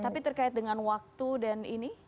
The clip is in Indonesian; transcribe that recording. tapi terkait dengan waktu dan ini